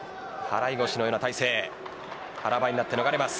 払腰のような体勢です。